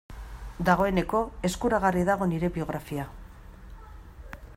Dagoeneko eskuragarri dago nire biografia.